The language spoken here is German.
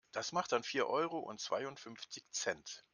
Das macht dann vier Euro und zweiundfünfzig Cent.